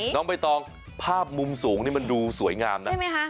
น้องบ๊ายตองภาพมุมสูงนี้มันดูสวยงามนะ